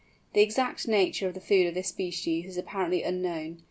The exact nature of the food of this species is apparently unknown.